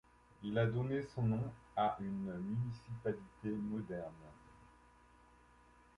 Il a donné son nom à une municipalité moderne.